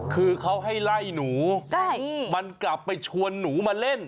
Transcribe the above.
คือเขาให้ไล่หนูมันกลับไปชวนหนูมาเล่น